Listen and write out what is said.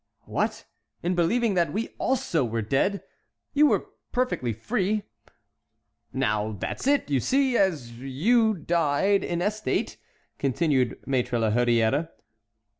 "What? In believing that we also were dead? You were perfectly free." "Now that's it. You see, as you died intestate," continued Maître La Hurière.